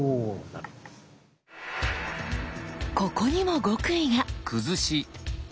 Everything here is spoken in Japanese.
ここにも極意が！